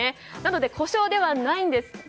なので故障ではないんです。